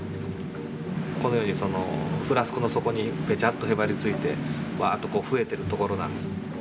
このようにフラスコの底にペチャッとへばりついてワッと増えてるところなんです。